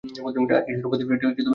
আর কিশোর অপরাধ একটা সামাজিক ব্যাধি।